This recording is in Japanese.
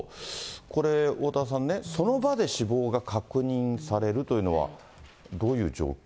これ、おおたわさんね、その場で死亡が確認されるというのは、どういう状況？